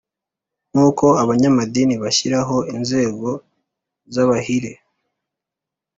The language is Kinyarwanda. nkuko abanyamadini bashyiraho inzego z’abahire,